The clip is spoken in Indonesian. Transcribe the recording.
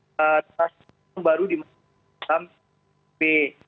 pasal dua baru di masam b